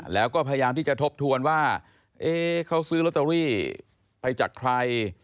แล้วก็พยายามที่จะทบทวนว่าเขาซื้อลอตเตอรี่ไปจากใคร